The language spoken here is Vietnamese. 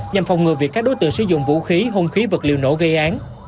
nhằm phòng ngừa việc các đối tượng sử dụng vũ khí hôn khí vật liều nổ gây án